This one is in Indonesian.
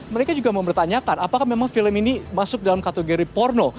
mereka juga mempertanyakan apakah memang film ini masuk dalam kategori porno